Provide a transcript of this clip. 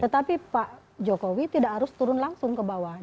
tetapi pak jokowi tidak harus turun langsung ke bawah